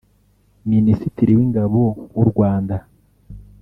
Minisitiri w’Ingabo w’u Rwanda